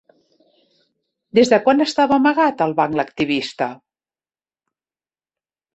Des de quan estava amagat al banc l'activista?